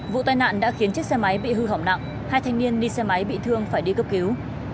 vụ tai nạn đã khiến chiếc xe máy bị hư hỏng nặng hai thanh niên đi xe máy bị thương phải đi cấp cứu